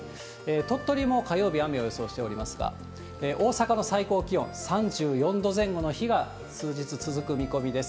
鳥取も火曜日、雨を予想しておりますが、大阪の最高気温、３４度前後の日が数日続く見込みです。